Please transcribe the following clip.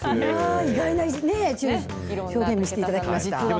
意外なね、表現を見せていただきました。